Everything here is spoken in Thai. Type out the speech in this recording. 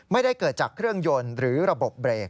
ไม่ได้เกิดจากเครื่องยนต์หรือระบบเบรก